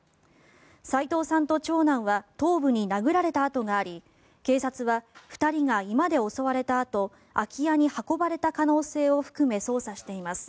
齋藤さんと長男は頭部に殴られた痕があり警察は２人が居間で襲われたあと空き家に運ばれた可能性を含め捜査しています。